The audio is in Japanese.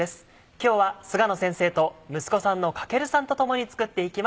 今日は菅野先生と息子さんの駈さんと共に作っていきます。